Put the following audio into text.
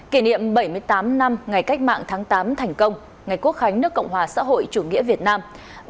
kỷ niệm bảy mươi tám năm ngày cách mạng tháng tám thành công ngày quốc khánh nước cộng hòa xã hội chủ nghĩa việt nam